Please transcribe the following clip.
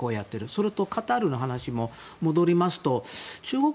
それとカタールの話に戻りますと中国